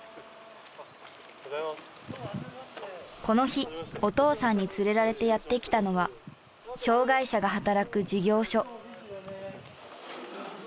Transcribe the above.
この日お父さんに連れられてやってきたのは障害者が働く事業所。